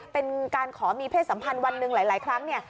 เป็นการขอมีเพศสัมพันธ์วันหนึ่งหลายครั้งเนี่ย